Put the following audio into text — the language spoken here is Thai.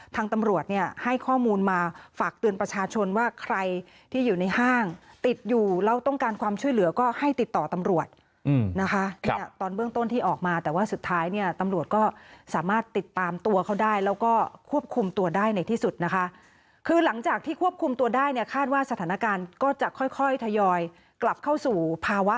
ทางตำรวจเนี่ยให้ข้อมูลมาฝากเตือนประชาชนว่าใครที่อยู่ในห้างติดอยู่แล้วต้องการความช่วยเหลือก็ให้ติดต่อตำรวจนะคะเนี่ยตอนเบื้องต้นที่ออกมาแต่ว่าสุดท้ายเนี่ยตำรวจก็สามารถติดตามตัวเขาได้แล้วก็ควบคุมตัวได้ในที่สุดนะคะคือหลังจากที่ควบคุมตัวได้เนี่ยคาดว่าสถานการณ์ก็จะค่อยค่อยทยอยกลับเข้าสู่ภาวะ